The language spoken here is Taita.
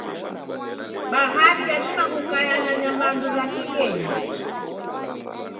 Bahari yadima kukaia na nyamandu ra kighenyi.